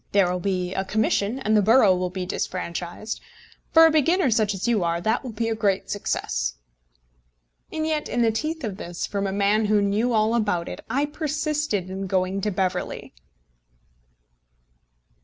There will be a commission, and the borough will be disfranchised. For a beginner such as you are, that will be a great success." And yet, in the teeth of this, from a man who knew all about it, I persisted in going to Beverley!